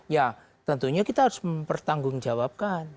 ya tentunya kita harus mempertanggung jawabkan